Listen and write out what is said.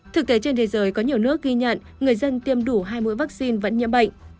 thực tế trên thế giới có nhiều nước ghi nhận người dân tiêm đủ hai mũi vaccine vẫn nhiễm bệnh